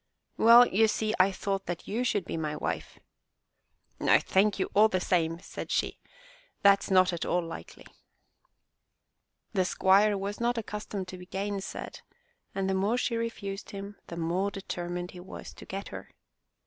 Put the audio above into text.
"Well, you see, I thought that you should be my wife!" No, thank you all the same," said she, "that's not at all likely." The squire was not accustomed to be gainsaid, and the more she refused him, the more determined he was to get her.